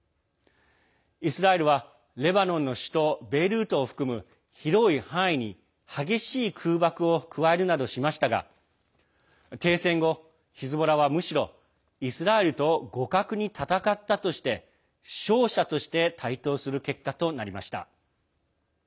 イスラエルはレバノンの首都ベイルートを含む広い範囲に激しい空爆を加えるなどしましたが停戦後、ヒズボラはむしろ、イスラエルと互角に戦ったとして勝者として台頭する結果となりました。